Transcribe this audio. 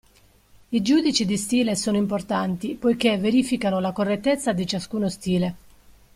I giudici di stile sono importanti poiché verificano la correttezza di ciascuno stile.